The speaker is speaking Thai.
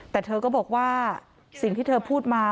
แต่เธอก็บอกว่าสิ่งที่เธอพูดมา